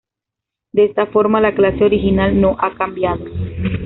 De esta forma, la clase original no ha cambiado.